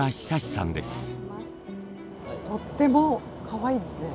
とってもかわいいですね。